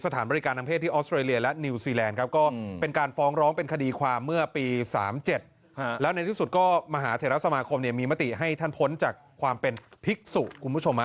เทศรัพย์สมาคมมีมติให้ท่านพ้นจากความเป็นพิกษุคุณผู้ชม